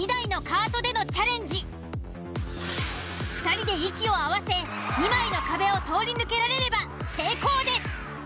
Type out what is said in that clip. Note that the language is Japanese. ２人で息を合わせ２枚の壁を通り抜けられれば成功です。